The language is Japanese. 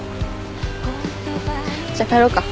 じゃあ帰ろうか。